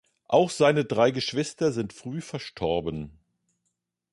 Auch seine drei Geschwister sind früh verstorben.